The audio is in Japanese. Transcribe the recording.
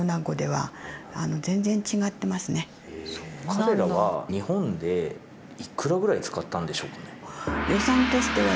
彼らは日本でいくらぐらい使ったんでしょうかね？